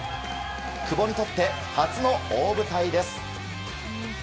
久保にとって、初の大舞台です。